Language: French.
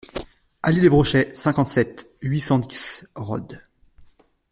Allée des Brochets, cinquante-sept, huit cent dix Rhodes